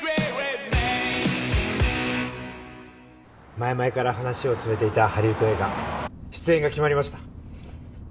前々から話を進めていたハリウッド映画出演が決まりました。